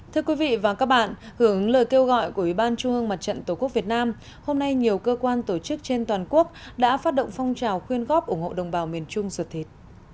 thưa quý vị và các bạn hưởng lời kêu gọi của ủy ban trung ương mặt trận tổ quốc việt nam hôm nay nhiều cơ quan tổ chức trên toàn quốc đã phát động phong trào quyên góp ủng hộ đồng bào miền trung ruột thịt